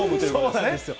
そうなんですよ。